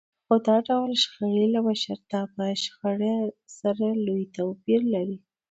خو دا ډول شخړې له مشرتابه شخړو سره لوی توپير لري.